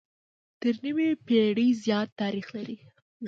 تر نيمې پېړۍ زيات تاريخ لري